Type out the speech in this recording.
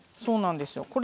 そうなんですよ。